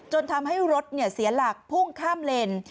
ทำให้รถเสียหลักพุ่งข้ามเลน